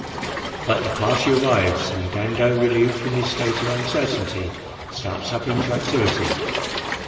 But the party arrives, and Dando, relieved from his state of uncer^ tainty, starts up into activity.